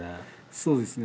そうですね。